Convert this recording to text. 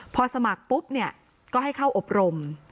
พอสมัครปุ๊บเนี่ยก็ให้เข้าอบรม